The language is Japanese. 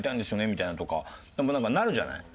みたいなのとかなるじゃない。